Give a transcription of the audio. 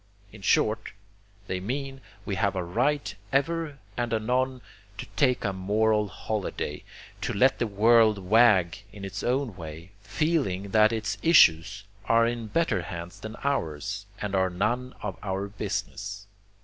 In short, they mean that we have a right ever and anon to take a moral holiday, to let the world wag in its own way, feeling that its issues are in better hands than ours and are none of our business.